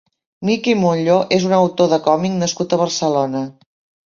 Miki Montlló és un autor de còmic nascut a Barcelona.